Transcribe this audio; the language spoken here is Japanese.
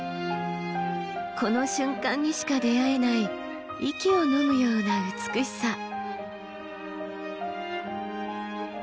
この瞬間にしか出会えない息をのむような美しさ。